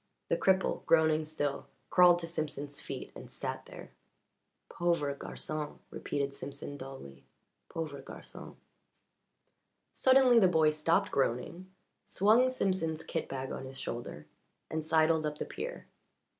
The cripple, groaning still, crawled to Simpson's feet and sat there. "Pauvre garçon!" repeated Simpson dully. "Pauvre garçon!" Suddenly the boy stopped groaning, swung Simpson's kit bag on his shoulder, and sidled up the pier.